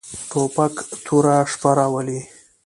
توپک توره شپه راولي.